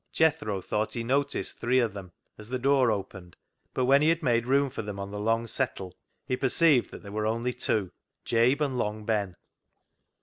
Jethro thought he noticed three of them as the door opened, but when he had made room for them on the long settle he perceived that there were only two — Jabe and Long Ben.